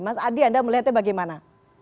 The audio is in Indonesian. mas adi anda melihatnya bagaimana